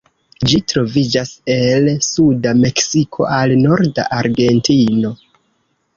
Ĝi troviĝas el suda Meksiko al norda Argentino.